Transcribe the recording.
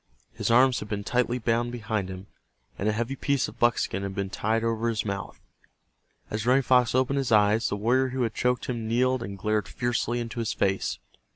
His arms had been tightly bound behind him, and a heavy piece of buckskin had been tied over his mouth. As Running Fox opened his eyes, the warrior who had choked him kneeled and glared fiercely into his face.